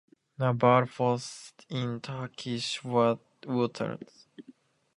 Naval Forces in Turkish waters.